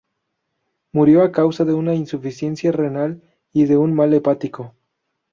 Murió a causa de una insuficiencia renal y de un mal hepático.